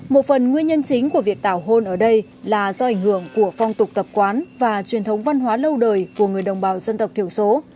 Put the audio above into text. một phần nguyên nhân chính của việc tảo hôn ở đây là do ảnh hưởng của phong tục tập quán và truyền thống văn hóa lâu đời của người đồng bào dân tộc thiểu số